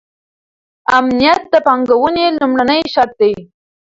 امنیت د پانګونې لومړنی شرط دی.